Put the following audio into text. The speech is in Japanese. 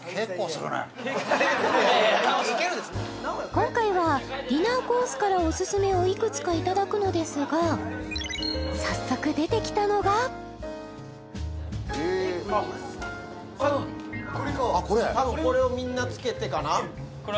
今回はディナーコースからオススメをいくつかいただくのですが早速たぶんこれをみんなつけてかな？